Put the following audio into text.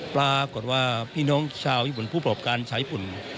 ปรากฏว่าพี่น้องชาวญี่ปุ่นผู้ประกอบการสายญี่ปุ่น